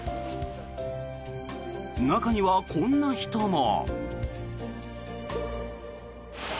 中にはこんな人も。